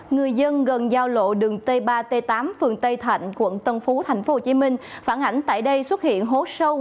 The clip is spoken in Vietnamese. người dân gần giao lộ đường t ba t tám phường tây thạnh quận tân phú tp hcm phản ảnh tại đây xuất hiện hố sâu